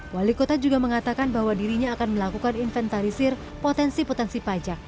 wali kota juga mengatakan bahwa dirinya akan melakukan inventarisir potensi potensi pajak